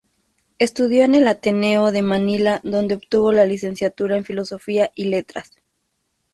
Estudió en el Ateneo de Manila donde obtuvo la Licenciatura en Filosofía y Letras.